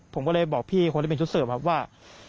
ผมก็เลยบอกพี่คนที่เป็นชุดเสิร์ฟครับว่า